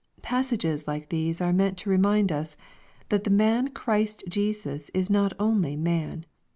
Passages like these are meant to remind us, that " the man Christ Jesus" is not only man.